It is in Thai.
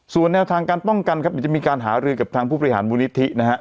ส่วนแนวทางการป้องกันอยู่จะมีการหารืนกับทางผู้ปริหารมูลนิธิ